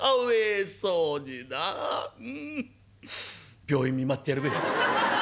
病院見舞ってやるべ。